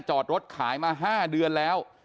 จอดรถขายมา๕เดือนแล้ว